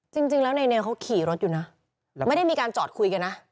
จริงแล้วนายเนลเขาขี่รถอยู่นะไม่ได้มีการจอดคุยกันนะ